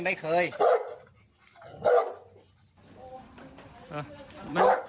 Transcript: ไม่เคยไม่เคย